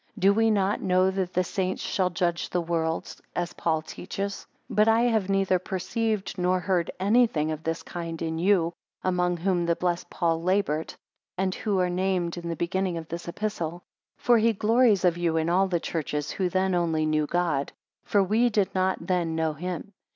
Do we not know that the saints shall judge the world, as Paul teaches? 5 But I have neither perceived nor heard anything of this kind in you, among whom the blessed Paul laboured; and who are named in the beginning of his Epistle. 6 For he glories of you in all the churches who then only knew God; for we did not then know him.